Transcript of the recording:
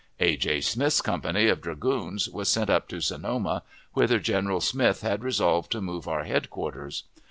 A. J. Smith's company of dragoons was sent up to Sonoma, whither General Smith had resolved to move our headquarters.